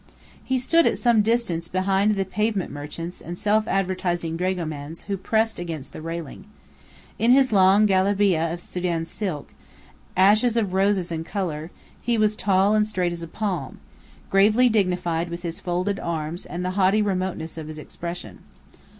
He stood at some distance behind the pavement merchants and self advertising dragomans who pressed against the railing. In his long galabeah of Sudan silk, ashes of roses in colour, he was tall and straight as a palm, gravely dignified with his folded arms and the haughty remoteness of his expression.